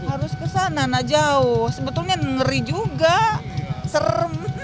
harus kesana nah jauh sebetulnya ngeri juga serem